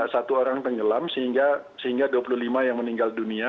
satu orang tenggelam sehingga dua puluh lima yang meninggal dunia